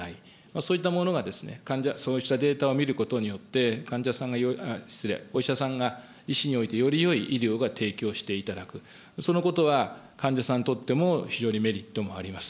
そういったものが、患者、そうしたデータを見ることによって、患者さんが、失礼、お医者さんが医師においてよりよい医療が提供していただく、そのことは患者さんにとっても、非常にメリットがあります。